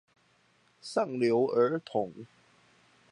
上流兒童